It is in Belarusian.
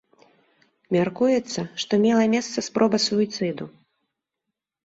Мяркуецца, што мела месца спроба суіцыду.